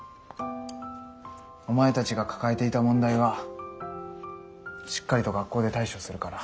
お前たちが抱えていた問題はしっかりと学校で対処するから。